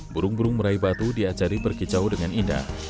burung burung meraih batu diajari berkicau dengan indah